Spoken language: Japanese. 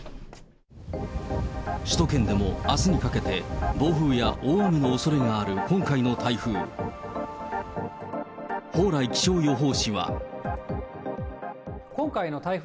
首都圏でもあすにかけて暴風や大雨のおそれがある今回の台風。